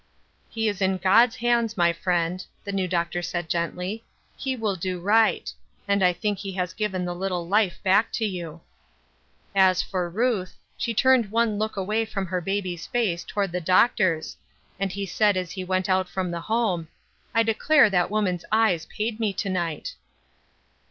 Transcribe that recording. " He is in God's hands, my friend," the new Doctor said gently ;" he will do right ; and T think he has given the little life back to you." As for Ruth, she turned one look away from her baby's face toward the Doctor's; and he said as he went out from the home :" I declare that woman's eyes paid me to night."